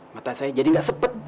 mata saya jadi nggak sepet